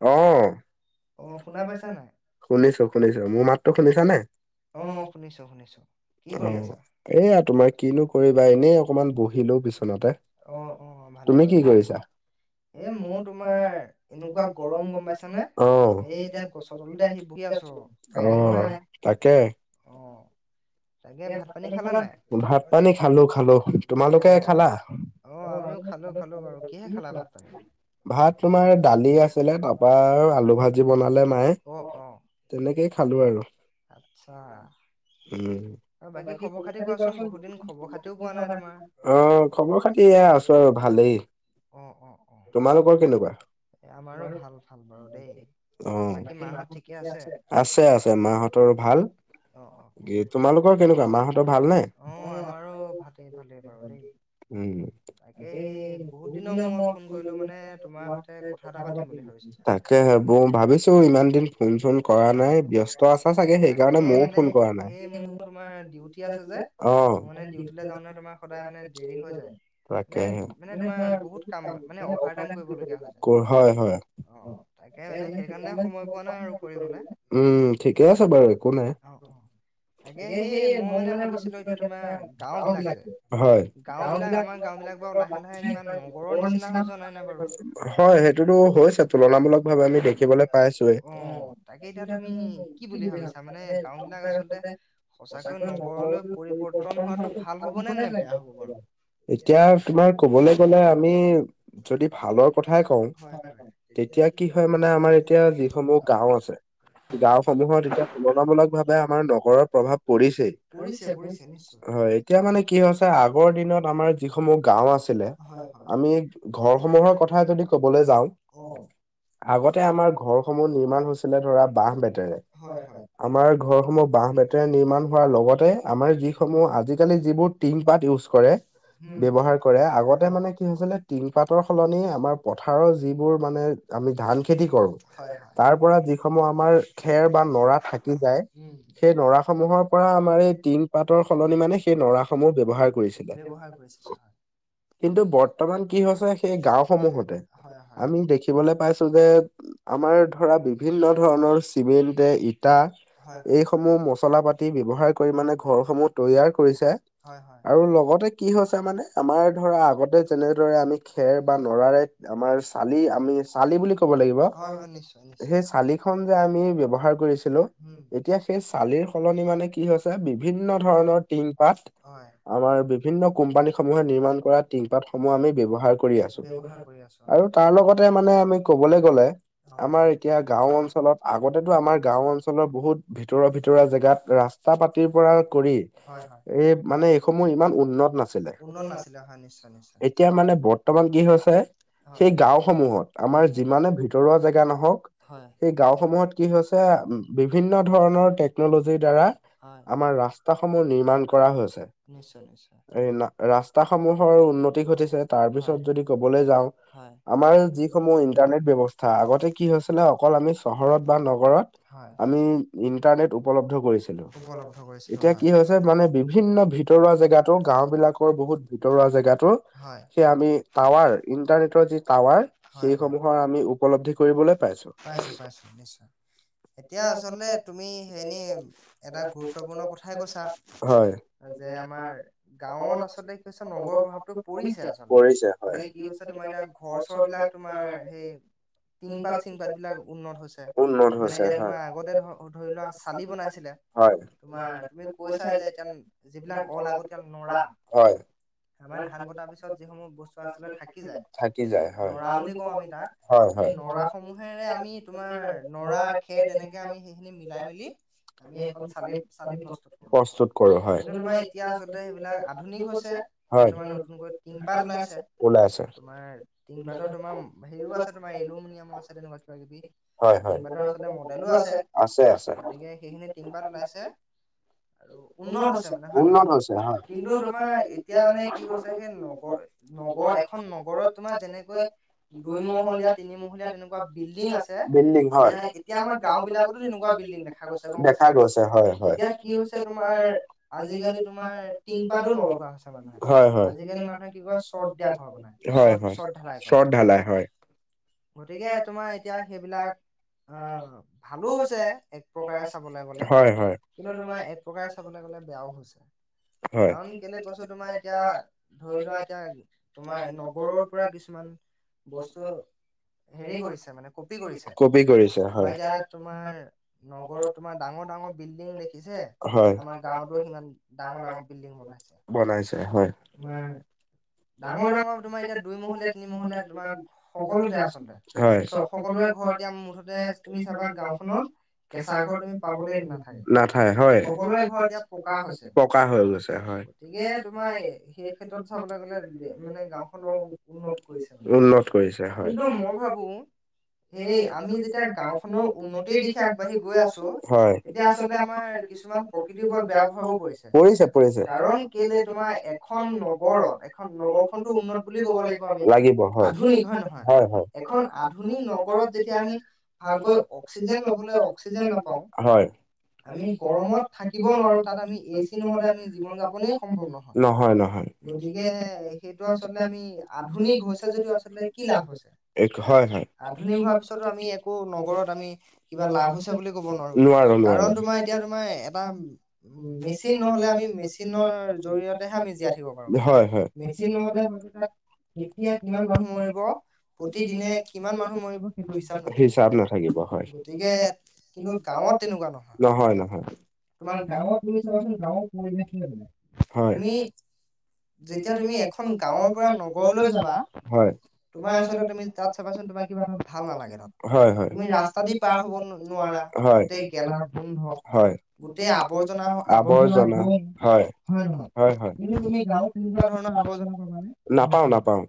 অ অ' শুনা পাইছা নাই? শুনিছো শুনিছো মোৰ মাতটো শুনিছা নে? অ' শুনিছো শুনিছো, কি কৰি আছা? এয়া তোমাৰ কিনো কৰিবা এনেই অকমান বহি লৈ অ' অ' ভালে কৰিলা, কৰিলা। এ মোৰ বুখাৰ। এনেকুৱা গৰম, অ' অ'। তাকে। অ। তাকে ভাত পানী খালা নাই? ভাত পানী খালো খালো। তোমালোকে খালা? অ আমিও খালো খালো বাৰু, কিহে খালা ভাত পানী? ভাত তোমাৰ দালি আছিলে, তাপা আলু ভাজি বনালে মাই, অ' অ'। তেনেকেই খালো আৰু। আচ্ছা। উম', বাকী খবৰ খাতি কোৱা চোন, বহুত দিন খবৰ খাতি পোৱা নাই তোমাৰ? অ' খবৰ খা এইয়া আছো আৰু ভালেই। অ' অ' অ' আমাৰো ভাল ভাল বাৰু দেই, বাকী মাহত ঠিকে আছে? তৰো ভাল। অ' অ' আমাৰো ভাতে ভালেই বাৰু দেই। তাকে সেই বহুত দিনৰ মূৰত ফোন কৰিলো মানে তোমাৰ হতে তাকেহে ভাবিছো ইমান দিন ফোন চোন কৰা নাই ব্যস্ত আছে চাগে সেইকাৰণে মও ফোন কৰা নাই। অ'। তাকেহে কৰ হয় হয়। উম' উম' ঠিকে আছে বাৰু একো নাই। অ'। তাকে সেই মই মানে ভাবিছিলো এতিয়া তোমাৰ গাওঁবিলাকে গাওঁ বিলাক নিচিনা হয় সেইটোতো হৈছে, তুলনামূলক ভাৱে আমি দেখিবলে পাইছোয়ে। [unintelligible] আচলতে সঁচাকৈ নকব পৰিৱৰ্তন হোৱাতো ভাল হব নে বেয়া। এতিয়া তোমাৰ কবলে গ'লে আমি, যদি ভালৰ কথা হয়' হয়' এতিয়া কি হয় মানে আমাৰ এতিয়া যিসমূহ গাওঁ আছে। গাঁওসমূহত এতিয়া তুলনামূলক ভাৱে আমাৰ নগৰ প্ৰভাব পৰিছেই, এতিয়া মানে কি হৈছে আগৰ দিনত আমাৰ যিসমূহ গাওঁ আছিলে, আমি ঘৰসমূহৰ ক ক যদি কবলে যাওঁ, অ' আগতে আমাৰ ঘৰসমূহ নিৰ্মাণ হৈছিলে ধৰা বাঁহ বেটেৰে, হয়, হয় আমাৰ ঘৰসমূহ বাঁহ বে নিৰ্মাণ কৰা লগতে, আমাৰ যিসমূহ আজিকালি যিবোৰ টিং পাত ইউজ কৰে। ব্যৱহাৰ কৰে, আগতে মানে কি হৈছিলে টিং পাতৰ সলনি আমাৰ পথাৰৰ যিবোৰ মানে আমি ধান খেতি কৰো, হয় হয় হয়, তাৰ পৰা যিকোনো আমাৰ দেৰ বা লৰা আহি যায়, উম সেই লৰা সমূহৰ পৰা আমাৰ এই টিং পাতৰ সলনি মানে সেই লৰাসমূহ ব্যৱহাৰ কৰিছিল ব্যৱহাৰ কৰিছিলে হয় কিন্তু বৰ্তমান কি হৈছে, সেই গাঁও সমূহতে আমি দেখিবলে পাইছো যে, আমাৰ ধৰা বিভিন্ন ধৰণৰ [inaudible] হয়, হয়। [inaudible] হয় হয়। লগতে কি হৈছে মানে, আমাৰ ধৰা আগতে যেনেদৰে আমি খেৰ বা নৰাৰে, আমাৰ চালি আমি চালি বুলি ক'ব লাগিব, সেই চালি খন যে আমি ব্যবহাৰ কৰি আছিলো, এতিয়া সেই ছালিৰ সলনি মানে কি হৈছে, বিভিন্ন ধৰণৰ, টিং পাত আমাৰ বিভিন্ন কোম্পানী সমূহে নিৰ্মাণ কৰা, তিংপাতসমূহ আমি ব্যৱহাৰ কৰি আছো আৰু তাৰ লগতে মানে আমি কবলৈ গ'লে আমাৰ এতিয়া গাঁও অঞ্চলত আগতেতো আমাৰ গাওঁ অঞ্চলৰ বহুত ভিতৰুৱা ভিতৰুৱা জেগ গাত ৰাস্তা পাতিৰ পৰা কৰি, এই মানে এইসমূহ ইমান উন্নত নাছিলে। এতিয়া মানে বত বৰ্তমান কি হৈছে, সেই গাঁওসমূহত আমাৰ যিমানে ভিতৰুৱা জেগা নহওক হয়, সেই গাঁও সমূহত কি হৈছে, বিভিন্ন ধৰণৰ সে টেকন'লজী দ্বাৰা হয়, আমাৰ ৰাস্তা সমূহ নিৰ্মাণ কৰা হৈছে নিশ্চয়-নিশ্চয়। এই না, ৰাস্তাসমূহৰ উন্নতি ঘটিছে, তাৰ পিছ হয় যদি, কবলৈ যাওঁ, হয় আমাৰ যিসমূহ ইন্টাৰনেট ব্যৱস্থা আগতে কি হৈছিলে অ, অকল আমি চহৰত বা নগৰত, আমি ইণ্টাৰনেট উপ উপলব্ধ কৰিছিলো, এতিয়া কি হৈছে মানে বিভিন্ন ভিতৰুৱা জেগাতো গাঁও বিলাকৰ বহুত। ভিতৰুৱা, জেগাটো হয়। সেই আমি টাৱাৰ, ইন্টাৰনেটৰ যি টাৱাৰ সেইসমূহৰ আমি উপলব্ধি কৰিবলৈ পাইছো। পাইছো, পাইছো, নিশ্চয় এতিয়া আচলতে তুমি এনেই এটা গুৰুত্বপূৰ্ণ কথাই কৈছা, হয়। যে আমাৰ গাঁৱত আচলতে, কি হৈছে নগৰৰ প্ৰভাৱটো পৰিছে আচ পৰিছে মানে কি হৈছে তোমাৰ এতিয়া, ঘৰ চৰ বিলাক তোমাৰ সেই টিংপাত-চিংপাত বিলাক উন্নত হৈছে, মানে এতিয়া তোমাৰ আগতে ধৰ ধৰি লোৱা, চা চালি, বনাইছিলে, হয়। তোমাৰ তুমি কৈছা যে, এতি যিবিলাক অলাগতিয়াল নৰা হয়। আমাৰ ধান-কটাৰ পিছ তাৰ পাছত যি সমূহ বস্তু আচলতে থাকি যায়, নৰা বুলি কওঁ আমি তাক, এই নৰা সমূহ। হেৰে আমি তোমাৰ, নৰা খেৰ তেনেকে আমি সেইখিনি মিলাই মেলি। আমি এখন চালি-চালি প্ৰস্তুত কৰো, কিন্তু তোমাৰ এতিয়া আচলতে সেইবিলাক আধুনিক হৈছে। এতিয়া, তোমাৰ নতুনকৈ টিংপাত ওলাইছে, তোমাৰ টিংপাতৰ তোমাৰ হেৰিও আছে, তোমাৰ এলুমিনিয়াম আছে তেনেকুৱা। কিবা-কিবি টিংপাতৰ আচলতে মডেলো আছে, আছে, আছে গতিকে সেইখিনি টিংপাত ওলাইছে আৰু উন্নত হৈছে মানে হয়, নহয় উন্নত হৈছে হয়, কিন্তু তোমাৰ এতিয়া মানে কি হৈছে সেই ন গৰ, নগৰ এখন নগৰত তোমাৰ যেনেকৈ। দুই মহলীয়া, তিনিমহলীয়া, তেনেকুৱা বিল্ডিং আছে তেনেহে এতিয়া আমাক গাঁও বিলাকতো তেনেকুৱা বিল্ডিং দেখা গৈছ চে, গম পাইছা নাই, এতিয়া কি হৈছে তোমাৰ আজিকালি তোমাৰ টিংপাতো নলগোৱা হৈছে, মানুহে আজিকালি মানুহে। কি কৰে চৰ্ট দিয়া, ঘৰ বনাই চৰ্ট-চৰ্ট ঢালাই কৰে, চৰ্ট ঢালাই কৰে। গতিকে তোমাৰ এতিয়া সেইবিলাক, আহ ভালো হৈছে এক প্ৰকাৰে চাবলে গ'লে, কিন্তু তোমাৰ এক প্ৰকাৰে চাবলে গ'লে বেয়াও হৈছে। কাৰণ কেলে কৈছো তোমাৰ এতিয়া ধৰি লোৱা, এ এতিয়া তোমাৰ নগৰৰ পৰা কিছুমান বস্তু। হেৰি কৰিছে মানে কপি কৰিছে কপি কৰিছে, তোমাৰ এতিয়া তোমাৰ। নগৰত তোমাৰ ডাঙৰ-ডাঙৰ বিল্ডিং দেখিছে? আমাৰ গাঁৱতো, সিমান ডাঙৰ ডাঙৰ বিল্ডিং বনাইছে। চে হয় উম। ডাঙৰ ডাঙৰ তোমাৰ এতিয়া দুই মহলীয়া তিনি মহলীয়া তোমাৰ সকলোতে আচলতে চ সকলোৰে ঘৰ এতিয়া উম মুঠতে তুমি চাবা গাঁওখনত। কেঁচা ঘৰ তুমি পাবলেই নাথাকে। সকলোৰে ঘৰ এতিয়া পকা হৈছে পকা হৈছে। তাকে তোমাৰ সেই ক্ষেত্ৰত চাবলৈ গ'লে মানে গাওখনৰ উন্নত কৰিছে মানে, কিন্তু মই ভাবোং, এই আমি যেতিয়া গাওখনৰ উন্নতিৰ দিশে আগবাঢ়ি, গৈ আছো। তেতিয়া আচলতে আমাৰ কিছুমান প্ৰকৃতিৰ ওপৰত বেয়া প্ৰভাৱো পৰিছে। কাৰণ কেলে তোমাৰ এখন নগৰত, এখন নগৰ খনতো উন্নত বুলি ক'ব লাগিব আমি আধুনিক হয়নে নহয়। এখন আধুনিক নগৰত, যেতিয়া আমি ভালকৈ অক্সিজেন লবলৈ অক্সিজেন নাপাও, হয়। আমি গৰমত থাকিব নোৱাৰো, তাত আমি এ চি নহ'লে আমি জীৱন যাপনে সম্ভৱ নহয়। গতিকে গতিকে সেইটো আচলতে আমি আধুনিক হৈছে যদিও, আচলতে কি লাভ হৈছে। আধুনিক হোৱাৰ পিছতো আমি একো নগৰত আমি কিবা লাভ হৈছে বুলি, শুৱ নোৱাৰো, কাৰণ তোমাৰ এতিয়া তোমাৰ এটা মেচিন নহ'লে আমি মেচি মেচিনৰ জৰিয়তেহে আমি জীয়াই থাকিব পাৰোঁ মানে, মেচিন নহলে হয়ো তাত, এতিয়া কিমান মানুহ মৰিব, প্ৰতিদিনে কিমান মানুহ মৰিব সেইটো হিচাপ নাথাকিব। গতিকে, কিন্তু গাঁৱত তেনেকুৱা নহয়। তোমাৰ গাঁৱত তুমি চাবচোন গাঁৱৰ পৰিৱেশটো কিমান, তুমি [unintelligible] যেতিয়া তুমি [unintelligible] তোমাৰ আচলতে তুমি, [unintelligible] হয় হয় [unintelligible] ৰাস্তা [unintelligible] হয় [unintelligible] হয়, গেলা [unintelligible] আৱৰ্জনা হয়, হয় নহয় [unintelligible] হয় হয় কিন্তু তুমিগাঁৱত, [unintelligible] নাপাও নাপাও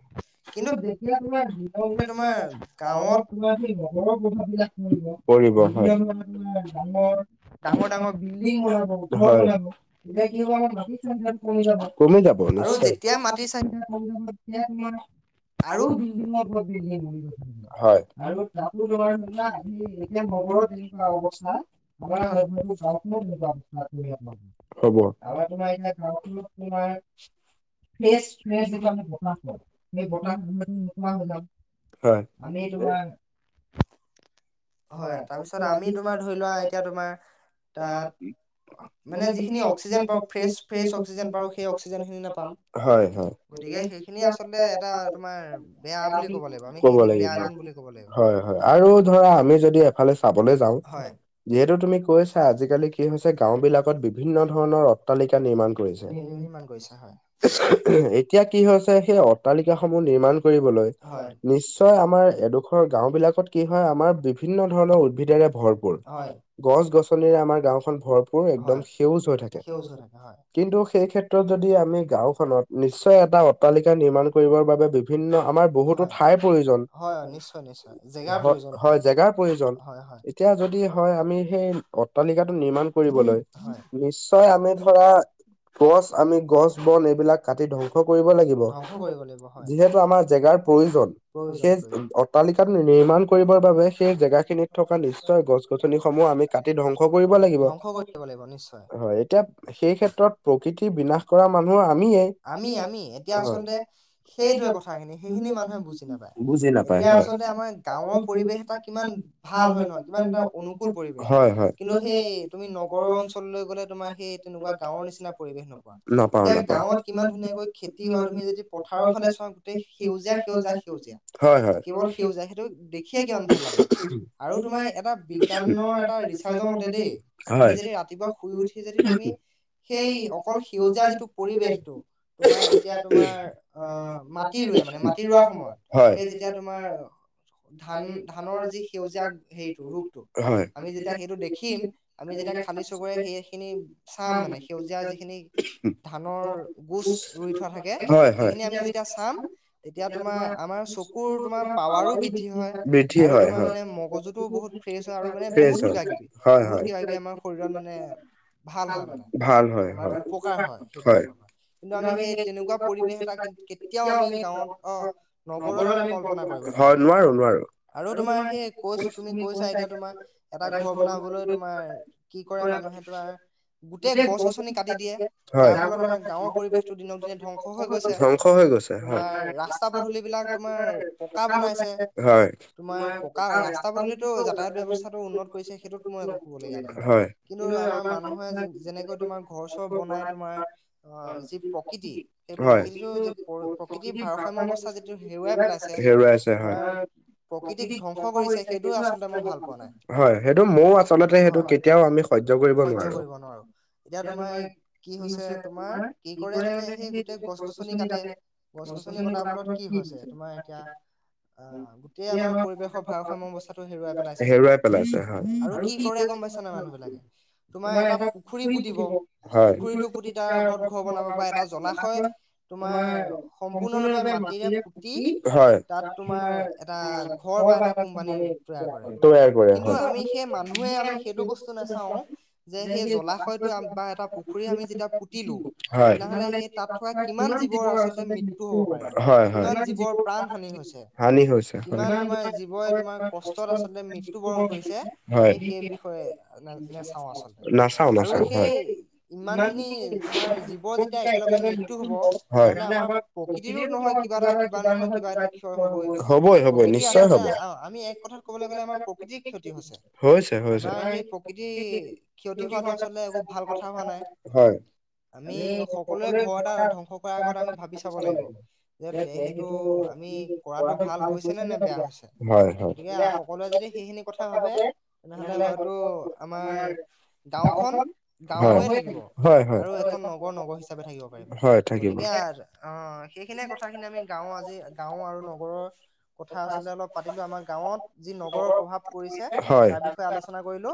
[unintelligible] কিন্তু যেতিয়া তোমাৰ, [unintelligible] [unintelligible] কৰিব হয় [unintelligible] চাপৰ [unintelligible] হয় হয় [unintelligible] কমি যাব নিশ্চয় [unintelligible] [unintelligible] তোমাৰ [unintelligible] হয় [unintelligible] [unintelligible] অৱস্থা [unintelligible] হব [unintelligible] [unintelligible] [unintelligible] হয় [unintelligible] হয়, তাৰপিছত আমি তোমাৰ ধৰি লোৱা এতিয়া তোমাৰ, তাত, মানে যিখিনি অক্সিজেন পাওঁ, ফ্ৰেছ ফ্ৰেচ অক্সিজেন পাওঁ। সেই, অক্সিজেনখিনি নাপাম। গতিকে সেইখিনি আচলতে এটা তোমাৰ বেয়া বুলি ক'ব লাগিব। আমি সেইখিনি বেয়া গুণ বুলি হয় হয়, আৰু ধৰা আমি যদি এফালে চাবলৈ যাওঁ, যিহেতু তুমি কৈছা আজিকালি কি হৈছে গাওঁ বিলাকত বিভিন্ন ধৰণৰ অট্টালিকা নিৰ্মাণ কৰিছে। কৈছে হয় [unintelligible] হয় নিশ্চয় আমাৰ এডোখৰ গাওঁ বিলাকত কি হয় আমাৰ বি ভিন্ন ধৰণৰ উদ্ভিদৰে ভৰপূৰ, গছ গছনিৰে আমাৰ গাওঁখন ভৰপুৰ একদম সেউজ হৈ থাকে। থাকে, কিন্তু সেই ক্ষেত্ৰ ত যদি আমি গাঁওখনত নিশ্চয় এটা অট্টালিকা নিৰ্মাণ কৰিবৰ বাবে বিভিন্ন আমাৰ বহুতো হয় হয় নিশ্চয় নিশ্চয়, জেগাৰ প্ৰয়োজন হয়। হয় হয়। নিশ্চয় আমি ধৰা, [unintelligible] ধ্বংস কৰিব লাগিব হয়। হে অট্টালিকাটো নিৰ্মাণ কৰিবৰ বাবে সেই জেগাখিনিত থকা নিশ্চয় গছ গছনিসমূহ আমি কাটি ধ্বংস কৰিব লাগিব, হয়। তিয়া সেই ক্ষেত্ৰত প্ৰকৃতি আমি আমি এতিয়া আচলতে সেইটোৱে কথাখিনি সেইখিনি মানুহে বুজি নাপা য়। এতিয়া আচলতে আমাৰ গাঁৱৰ পৰিৱেশ এটা কিমান ভাল হয় নহয় কিমান এটা অনুকুল পৰিৱেশ, কিন্তু সেই তুমি নগৰৰ অঞ্চললৈ গ'লে তোমাৰ সেই তেনেকুৱা গাঁৱৰ নিচিনা পৰিবেশ নোপোৱা। এতিয়া গাঁৱত কিমান ধুনীয়াকৈ খেতি হয় তুমি যদি পথাৰৰ ফালে চাওঁ সেউজীয়া সেউজীয়া সেউজীয়া, কেৱল সেউজীয়া সেইটো দে খিয়ে কিমান ভাল লাগে, আৰু তোমাৰ এটা বিজ্ঞানৰ এটা ৰিচাৰ্চৰ মতে দেই তুমি যদি ৰাতিপুৱা শুই উঠি যদি তুমি সেই অকল সেউজীয়া যিটো পৰিৱেশটো, তোমাৰ যেতিয়া তোমাৰ আঁ মাটি ৰুৱে মানে মাটি ৰোৱাৰ সময় সেই যেতিয়া তোমাৰ ধান ধানৰ যি সেউজীয়া হেৰিটো ৰূপটো, আমি যেতিয়া সেইটো দেখিম আমি যেতিয়া খালী চকুৰে সেইখিনি চাম মানে সেউজীয়া যি খিনি ধানৰ গোচ ৰুই থোৱা থাকে, সেইখিনি আমি যেতিয়া চাম তেতিয়া তোমাৰ আমাৰ চকুৰ তোমাৰ পাৱাৰো বৃদ্ধি হয়, আৰু তোমাৰ মানে মগজুতো বহুত ফ্ৰেছ হয় আৰু মানে বহুত কিবা কিবি বহুত কিবা কিবি আমাৰ শৰীৰত মানে ভাল হয়। হয় হয়। হয় নোৱাৰো নোৱাৰো। আৰু তোমাৰ সেই কৈছো তুমি কৈছা এতিয়া, তোমাৰ এটা ঘৰ বনাবলৈ তোমাৰ কি কৰে মানুহে তোমাৰ, গোটেই গছ গছনি কা টি দিয়ে, যাৰ ফলত আমাৰ গাঁওৰ পৰিবেশতটো দিনক দিনে ধ্বংস হৈ গৈছে। তোমাৰ ৰাস্তা পদূলিবিলাক তোমাৰ পকা বনাইছে। তোমাৰ পকা ৰাস্তা পদূলিতো যাতায়াত ব্যৱস্থাটো উন্নত কৰিছে, সেইটো মই একো কব লগগীয়া নাই। কিন্তু আমাৰ মানুহে যেনেকৈ তোমাৰ ঘ ঘৰ চৰ বনাই তোমাৰ আঁ যি প্ৰকৃতি, সেই প্ৰকৃতিটো প্ৰ কৃতিৰ ভাৰসাম্য় অৱস্থা যিটো হেৰুৱাই পেলাইছে তোমাৰ প্ৰকৃতিক ধ্বংস কৰিছে সেইটো আচলতে মই ভাল পোৱা নাই। হয় সয্য কৰিব নোৱাৰো। এতিয়া তোমাৰ কি হৈছে তোমাৰ কি কৰে মানে সেই গোটেই গছ গছনি কাটে। গছ গছনি কটাৰ ফলত কি হৈছে তোমাৰ এতিয়া আহঁ তে আমাৰ পৰিৱেশৰ ভাৰসাম্য অৱস্থাটো হেৰুৱাই পেলাইছে, আৰু কি কৰে গম পাইছ নাই মানুহ বিলাকে তোমাৰ এটা পুখুৰী পুতিব, পুখুৰীতটো পুতি তাৰ ওপৰত ঘৰ বনাব বা এটা জলাশয় তোমাৰ সম্পূৰ্ণৰূপে মাটিৰে পুতি তাত তোমাৰ এ এটা ঘৰ বা এটা কোম্পানী তৈয়াৰ কৰে, কিন্তু আমি সেই মানুহে আমি সেইটো বস্তু নাচাওঁ যে সেই জলাশয়ত বা এটা পুখুৰী আমি যেতিয়া পুতিলো তেনেহলে সেই তাত থোৱা কিমান জীৱৰ আচলতে মৃত্ হ'ব পাৰে, কিমান জীৱৰ প্ৰাণ হানি হৈছে। কিমান তোমাৰ জীৱই তোমাৰ কষ্টত আচলতে মৃত্যু বৰণ কৰিছে আমি সেই বিষয়ে নেচাওঁ আচলতে আৰু সেই ইমান খিনি তোমাৰ জীৱৰ যেতিয়া একেলগে মৃত্যু হব, তেনেহলে আমাৰ প্ৰকৃতিৰো নহয় কিবা এটা কিবা নহয় কিবা এইটো ক্ষয় হবই। প্ৰকৃতি আচলতে অ আমি এক কথাত কবলৈ গ'লে আমাৰ প্ৰকৃতিৰ ক্ষতি হৈছে, আমাৰ সেই প্ৰ প্ৰকৃতি ক্ষতি হোৱাটো আচল একো ভাল কথা হোৱা নাই। হয়। আমি সকলোৱে ঘৰ এটা ধ্বংস কৰাৰ আগত আমি ভাবি চাব লাগিব। তে সেইটো আমি কৰাটো ভাল ভাল হৈছে নে বেয়া হৈছে, গতিকে সকলোৱে যদি সেইখিনি কথা ভাবে তেনেহলে হয়তো আমাৰ গাঁওখন গাঁও হৈয়ে থাকিব, আৰু এখন নগৰ-নগৰ হিচাপে থাকিব পাৰিব। গতিকে আৰ অঁহ সেইখিনিয়ে কথাখিনি আমি গাঁও আজি গাঁও আৰু নগৰৰ কথা আছিলে অলপ পাতিলো আমাৰ গাঁৱত যি নগৰৰ প্ৰভাৱ পৰিছে তাৰ বিষয়ে আলোচনা কৰিলো।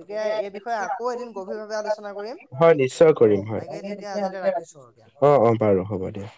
তিকে এই বিষয়ে আকৌ এদিন গ গভীৰভাবে আলোচনা কৰিম [unintelligible] অহ তাকে তেতিয়া আজিলে ৰাখিছো আৰু দিয়া। বাৰু হ'ব দিয়া।